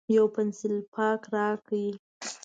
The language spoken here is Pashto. یو پینسیلپاک راکړئ